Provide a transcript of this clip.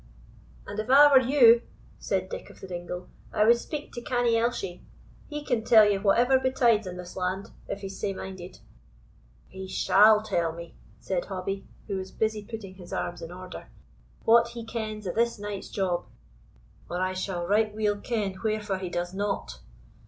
"And if I were you," said Dick of the Dingle, "I would speak to Canny Elshie. He can tell you whatever betides in this land, if he's sae minded." "He SHALL tell me," said Hobbie, who was busy putting his arms in order, "what he kens o' this night's job, or I shall right weel ken wherefore he does not."